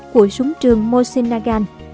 của súng trường mosin nagant